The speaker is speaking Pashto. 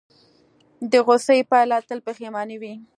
د غوسې پایله تل پښیماني وي.